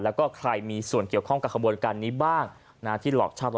แล้วก็ใครมีส่วนเกี่ยวข้องกับขบวนการนี้บ้างที่หลอกเช่ารถ